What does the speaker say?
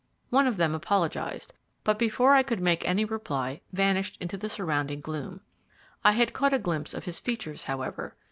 One of them apologized, but before I could make any reply vanished into the surrounding gloom. I had caught a glimpse of his features, however.